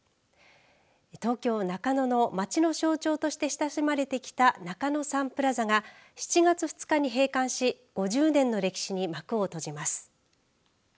東京中野の街の象徴として親しまれてきた中野サンプラザが７月２日に閉館し５０年の歴史に幕を閉じます。